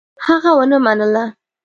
هغه ونه منله.